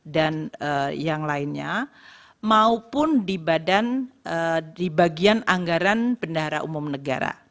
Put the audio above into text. dan yang lainnya maupun di bagian anggaran pendahara umum negara